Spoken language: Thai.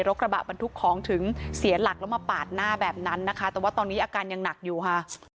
กระบะบรรทุกของถึงเสียหลักแล้วมาปาดหน้าแบบนั้นนะคะแต่ว่าตอนนี้อาการยังหนักอยู่ค่ะ